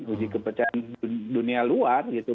uji kepercayaan dunia luar gitu